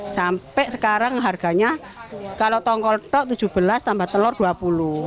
sampai sekarang harganya kalau tongkol tok rp tujuh belas tambah telur rp dua puluh